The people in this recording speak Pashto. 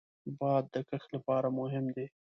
باد د کښت لپاره مهم دی